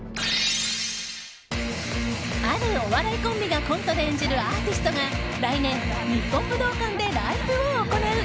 あるお笑いコンビがコントで演じるアーティストが来年、日本武道館でライブを行う。